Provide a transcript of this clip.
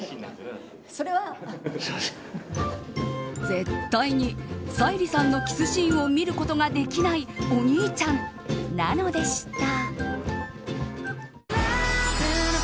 絶対に沙莉さんのキスシーンを見ることができないお兄ちゃんなのでした。